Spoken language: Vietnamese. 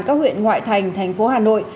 các huyện ngoại thành thành phố hà nội